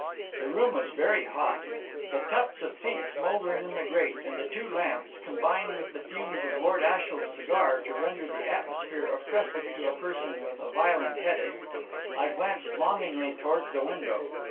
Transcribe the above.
The room was very hot; the tufts of peat smouldering in the grate, and the two lamps, combined with the fumes of Lord Ashiel's cigar to render the atmosphere oppressive to a person with a violent headache. I glanced longingly towards the window.